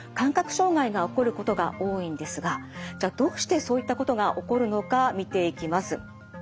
障害が起こることが多いんですがじゃあどうしてそういったことが起こるのか見ていきます。